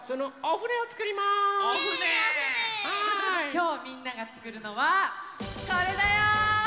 きょうみんながつくるのはこれだよ！